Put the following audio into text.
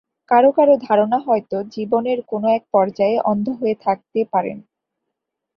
কারো কারো ধারণা হয়তো জীবনের কোন এক পর্যায়ে অন্ধ হয়ে থাকতে পারেন।